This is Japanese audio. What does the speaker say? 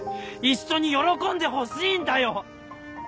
一緒に喜んでほしいんだよ！